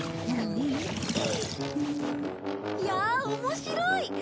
いやあ面白い！